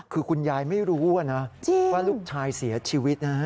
คือคุณยายไม่รู้นะว่าลูกชายเสียชีวิตนะฮะ